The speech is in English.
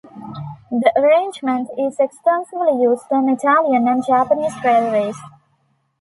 The arrangement is extensively used on Italian and Japanese railways.